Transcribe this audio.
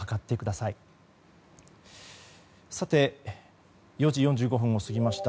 さて、４時４５分を過ぎました。